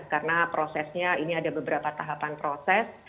karena prosesnya ini ada beberapa tahapan proses